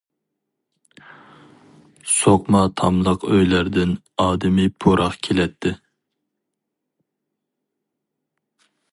سوقما تاملىق ئۆيلەردىن ئادىمىي پۇراق كېلەتتى.